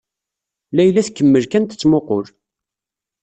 Layla tkemmel kan tettmuqqul.